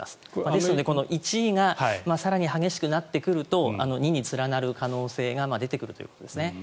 ですので、この１が更に激しくなってくると２に連なる可能性が出てくるということですね。